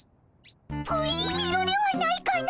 プリン色ではないかの！